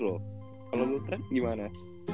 kalau lu trend gimana